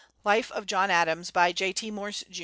Life of John Adams, by J.T. Morse, Jr.